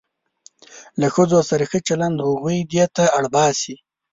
له ښځو سره ښه چلند هغوی دې ته اړ باسي.